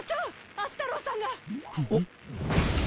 明日太郎さんが！おっ？